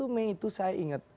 dua puluh mei itu saya ingat